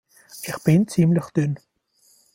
Ich bin ziemlich dünn.